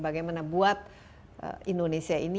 bagaimana buat indonesia ini